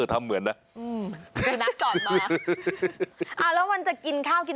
แล้วก็กินข้าว